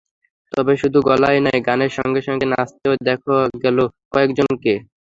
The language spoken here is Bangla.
তবে শুধু গানই নয়, গানের সঙ্গে সঙ্গে নাচতেও দেখা গেল কয়েকজনকে।